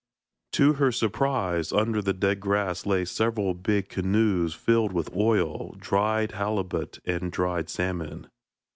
To her surprise, under the dead grass lay several big canoes filled with oil, dried halibut and dried salmon.